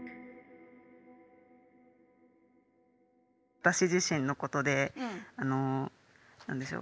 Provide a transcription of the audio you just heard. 私自身のことであの何でしょう